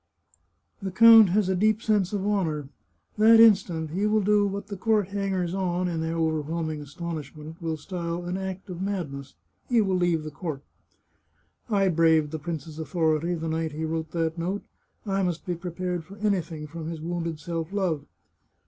The count has a deep sense of honour; that instant he will do what the court hangers on, in their overwhelming astonishment, will style an act of madness — he will leave the court. I braved the prince's authority the night he wrote that note ; I must be prepared for anything from his wounded self love.